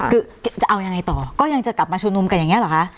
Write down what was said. คือจะเอายังไงต่อก็ยังจะกลับมาชุมนุมกันอย่างนี้หรอคะ